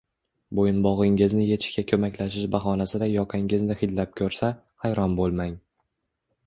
Bo’yinbog’ingizni yechishga ko’maklashish bahonasida yoqangizni hidlab ko’rsa, hayron bo’lmang.